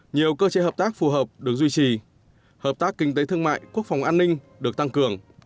nhiều cơ chế hợp tác phù hợp được duy trì hợp tác kinh tế thương mại quốc phòng an ninh được tăng cường